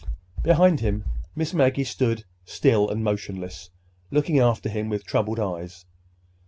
Behind him, Miss Maggie still stood motionless, looking after him with troubled eyes.